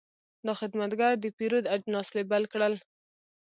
دا خدمتګر د پیرود اجناس لیبل کړل.